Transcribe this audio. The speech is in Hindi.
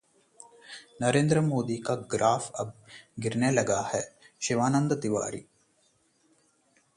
नरेंद्र मोदी का ग्राफ अब गिरने लगा है: शिवानंद तिवारी